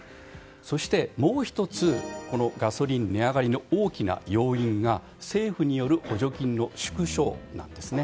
そして、もう１つガソリン値上がりの大きな要因が政府による補助金の縮小です。